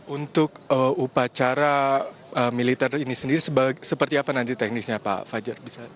untuk upacara militer ini sendiri seperti apa nanti teknisnya pak fajar